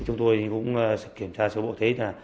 chúng tôi cũng kiểm tra sử dụng bộ thế